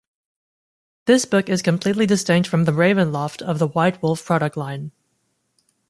This book is completely distinct from the Ravenloft of the White Wolf product line.